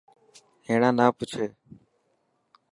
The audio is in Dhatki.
هيڻا نه پڇي.